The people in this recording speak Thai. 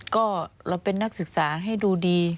ก็เราเป็นนักศึกษาให้ดูดี